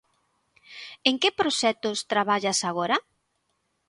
En que proxectos traballas agora?